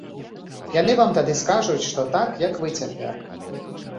Яны вам тады скажуць, што так, як вы цяпер.